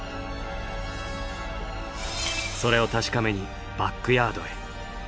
それを確かめにバックヤードへ。